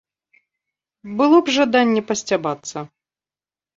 Было б жаданне пасцябацца.